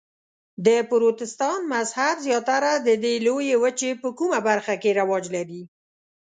د پروتستانت مذهب زیاتره د دې لویې وچې په کومه برخه کې رواج لري؟